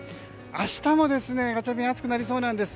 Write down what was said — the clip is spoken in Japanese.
明日もガチャピン暑くなりそうです。